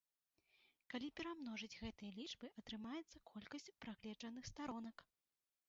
Калі перамножыць гэтыя лічбы, атрымаецца колькасць прагледжаных старонак.